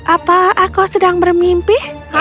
apa aku sedang bermimpi